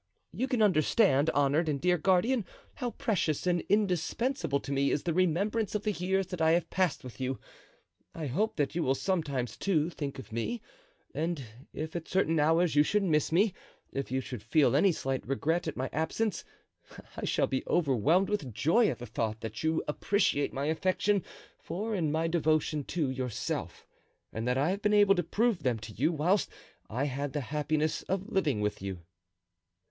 You can understand, honored and dear guardian, how precious and indispensable to me is the remembrance of the years that I have passed with you. I hope that you will sometimes, too, think of me, and if at certain hours you should miss me, if you should feel any slight regret at my absence, I shall be overwhelmed with joy at the thought that you appreciate my affection for and my devotion to yourself, and that I have been able to prove them to you whilst I had the happiness of living with you."